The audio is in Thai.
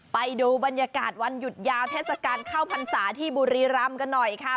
ไปดูบรรยากาศวันหยุดยาวเทศกาลเข้าพรรษาที่บุรีรำกันหน่อยค่ะ